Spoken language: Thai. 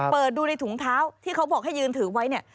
เปิดดูในถุงเท้าที่เขาบอกให้ยืนถือไว้เนี่ย